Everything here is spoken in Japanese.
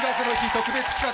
特別企画、